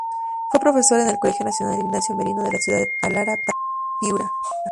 Fue profesor en el Colegio Nacional Ignacio Merino de la ciudad de Talara, Piura.